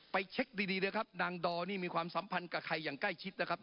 เช็คดีเลยครับนางดอนี่มีความสัมพันธ์กับใครอย่างใกล้ชิดนะครับ